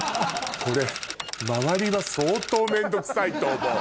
これ周りは相当面倒くさいと思う。